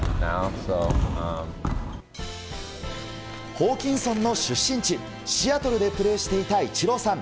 ホーキンソンの出身地シアトルでプレーしていたイチローさん。